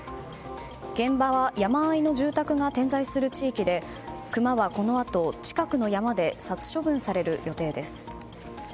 現場は山あいの住宅が点在する地域でクマはこのあと近くの山で殺処分される予定です。